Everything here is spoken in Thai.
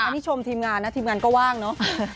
อันนี้ชมทีมงานนะทีมงานก็ว่างเนอะ